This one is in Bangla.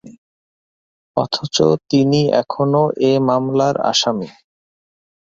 অথচ তিনি এখনও এ মামলার আসামি।